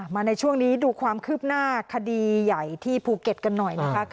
ในช่วงนี้ดูความคืบหน้าคดีใหญ่ที่ภูเก็ตกันหน่อยนะคะ